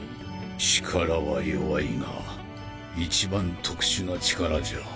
力は弱いが一番特殊な力じゃ